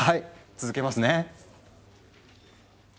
続けます。